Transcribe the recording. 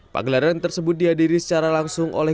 pagelaran tersebut dihadiri secara langsung oleh